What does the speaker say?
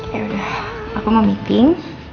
ya udah aku mau meeting